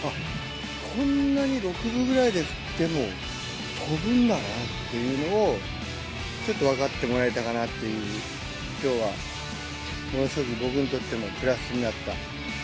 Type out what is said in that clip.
こんなに６分ぐらいで振っても飛ぶんだなっていうのを、ちょっと分かってもらえたかなっていう、きょうは、ものすごく僕にとってもプラスになった。